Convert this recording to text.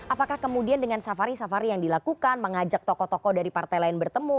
apakah kemudian dengan safari safari yang dilakukan mengajak tokoh tokoh dari partai lain bertemu